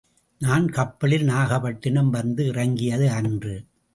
நான் கப்பலில் நாகப்பட்டினம் வந்து இறங்கிய அன்று.